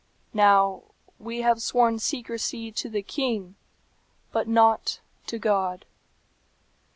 "Now, we have sworn secrecy to the king, but not to God.